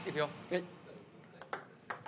はい。